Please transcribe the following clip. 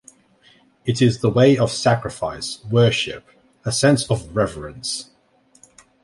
It is the way of sacrifice, worship, a sense of reverence.